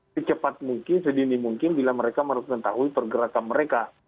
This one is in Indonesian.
secepat mungkin sedini mungkin bila mereka harus mengetahui pergerakan mereka